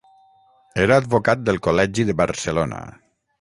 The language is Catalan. Era advocat del col·legi de Barcelona.